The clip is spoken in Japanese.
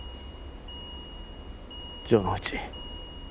城之内。